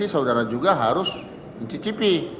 saudara juga harus mencicipi